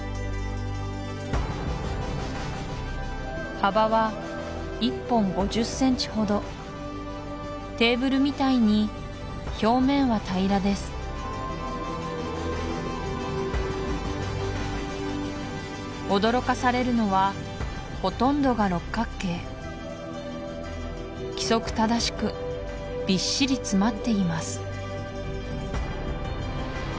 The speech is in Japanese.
幅は１本５０センチほどテーブルみたいに表面は平らです驚かされるのはほとんどが六角形規則正しくびっしり詰まっています